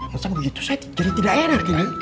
masa begitu saya jadi tidak enak gini